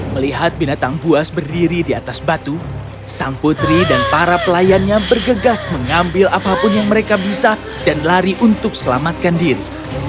melihat binatang buas berdiri di atas batu sang putri dan para pelayannya bergegas mengambil apapun yang mereka bisa dan lari untuk selamatkan diri